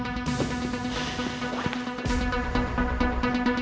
dan bahagia selalu ya allah